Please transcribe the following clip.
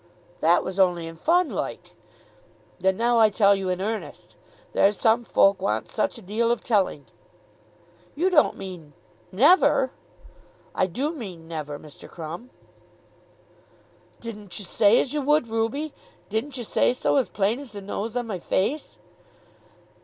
"That was only in fun, loike." "Then now I tell you in earnest. There's some folk wants such a deal of telling." "You don't mean, never?" "I do mean never, Mr. Crumb." "Didn't you say as you would, Ruby? Didn't you say so as plain as the nose on my face?"